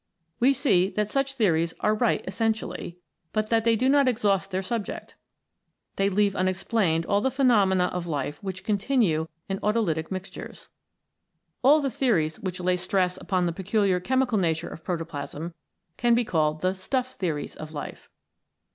We see that such theories are right essentially, PROTOPLASM but that they do not exhaust their subject. They leave unexplained all the phenomena of life which continue in autolytic mixtures. All the theories which lay stress upon the peculiar chemical nature of protoplasm can be called the Stuff Theories of Life.